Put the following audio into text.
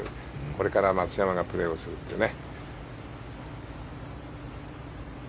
これから松山がプレーをするってね。